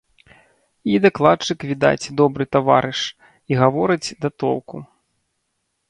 І дакладчык, відаць, добры таварыш, і гаворыць да толку.